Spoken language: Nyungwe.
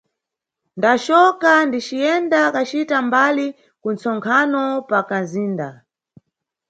Ndacoka diciyenda kacita mbali ku nʼtsonkhano pa kanʼzinda.